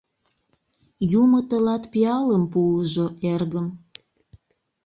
Юмо тылат пиалым пуыжо, эргым.